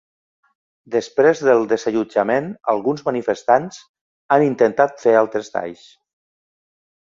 Després del desallotjament, alguns manifestants han intentat fer altres talls.